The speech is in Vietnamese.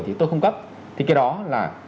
thì tôi không cấp thì cái đó là